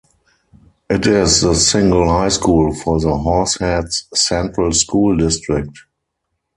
It is the single high school for the Horseheads Central School District.